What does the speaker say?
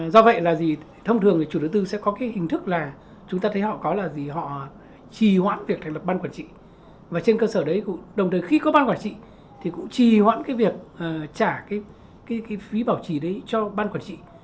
do vậy là gì thông thường thì chủ đầu tư sẽ có cái hình thức là chúng ta thấy họ có là gì họ trì hoãn việc thành lập ban quản trị và trên cơ sở đấy cũng đồng thời khi có ban quản trị thì cũng trì hoãn cái việc trả cái phí bảo trì đấy cho ban quản trị